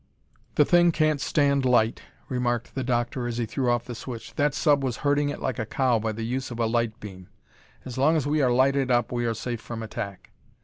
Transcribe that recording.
"The thing can't stand light," remarked the doctor as he threw off the switch. "That sub was herding it like a cow by the use of a light beam. As long as we are lighted up we are safe from attack."